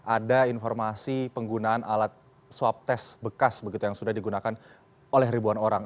ada informasi penggunaan alat swab tes bekas begitu yang sudah digunakan oleh ribuan orang